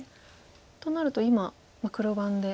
となると今黒番で。